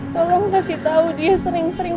tolong kasih tahu dia sering sering